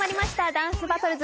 『ダンスバトルズ』。